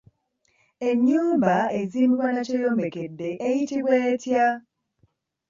Enju ezimbibwa Nakyeyombekedde eyitibwa etya?